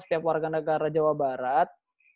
setiap warga negara jawa barat